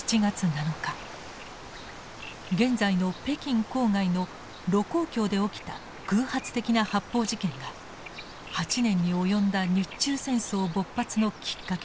現在の北京郊外の盧溝橋で起きた偶発的な発砲事件が８年に及んだ日中戦争勃発のきっかけでした。